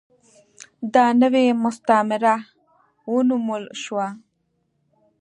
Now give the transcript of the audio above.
دا نوې مستعمره ونومول شوه.